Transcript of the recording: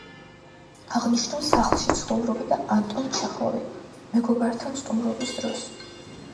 აღნიშნულ სახლში ცხოვრობდა ანტონ ჩეხოვი მეგობართან სტუმრობის დროს.